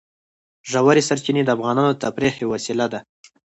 ژورې سرچینې د افغانانو د تفریح یوه وسیله ده.